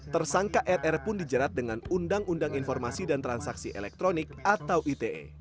tersangka rr pun dijerat dengan undang undang informasi dan transaksi elektronik atau ite